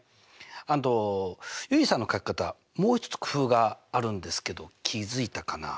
あと結衣さんの書き方もう一つ工夫があるんですけど気付いたかな？